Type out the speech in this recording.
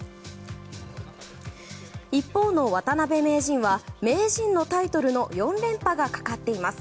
一方の渡辺名人は名人のタイトル４連覇がかかっています。